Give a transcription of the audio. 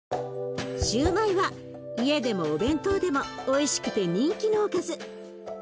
シューマイは家でもお弁当でもおいしくて人気のおかず。